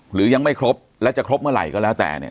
หรือยังไม่ครบและจะครบเมื่อไหร่ก็แล้วแต่เนี่ย